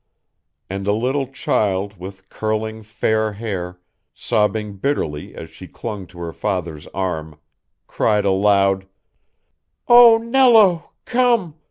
And a little child with curling fair hair, sobbing bitterly as she clung to her father's arm, cried aloud, "Oh, Nello, come!